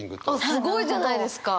すごいじゃないですか！